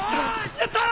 やった！